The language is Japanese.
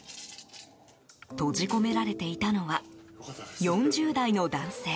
閉じ込められていたのは４０代の男性。